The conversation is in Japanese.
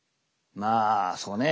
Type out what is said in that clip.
まあそうね